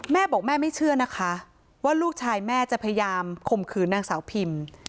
แม่บอกแม่ไม่เชื่อนะคะว่าลูกชายแม่จะพยายามข่มขืนนางสาวพิม